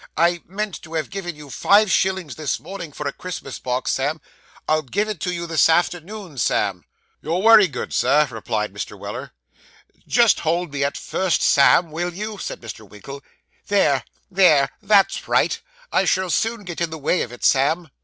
I meant to have given you five shillings this morning for a Christmas box, Sam. I'll give it you this afternoon, Sam.' 'You're wery good, sir,' replied Mr. Weller. 'Just hold me at first, Sam; will you?' said Mr. Winkle. 'There that's right. I shall soon get in the way of it, Sam.